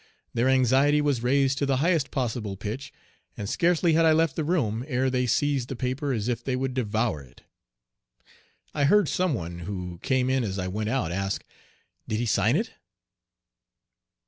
Their anxiety was raised to the highest possible pitch, and scarcely had I left the room ere they seized the paper as if they would devour it. I heard some one who came in as I went out ask, "Did he sign it?"